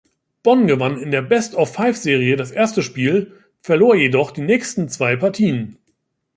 Bonn gewann in der Best-of-Five-Serie das erste Spiel, verlor jedoch die nächsten zwei Partien.